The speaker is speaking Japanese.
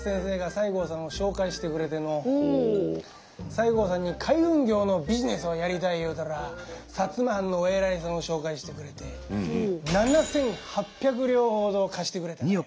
西郷さんに海運業のビジネスをやりたい言うたら摩藩のお偉いさんを紹介してくれて７，８００両ほど貸してくれたがよ。